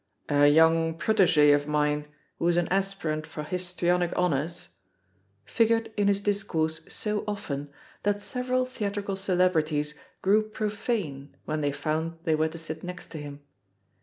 "A young protege of mine, who is an aspirant for histrionic honours" figured in his discourse so often that several theatrical celebri ties grew profane when they found they were to sit next to him.